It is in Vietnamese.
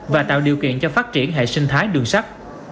và tạo điều kiện cho phát triển hệ sinh thái đường sắt